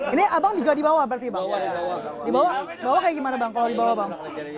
ini abang juga dibawa berarti bahwa dibawa kayak gimana bang kalau dibawa bang